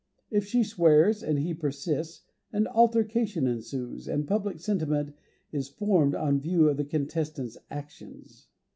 If she swears, and he persists, an altercation ensues, and public sentiment is formed on view of the contestants' actions.